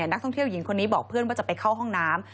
นักท่องเที่ยวหญิงคนนี้บอกเพื่อนว่าจะไปเข้าห้องน้ำ